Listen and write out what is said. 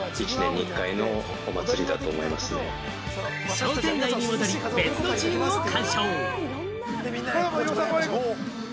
商店街に戻り、別のチームを鑑賞。